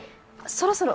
そろそろ。